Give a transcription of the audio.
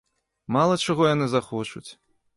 Мала чаго яны захочуць!